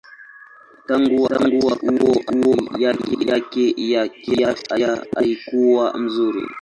Tangu wakati huo hali yake ya kiafya haikuwa nzuri.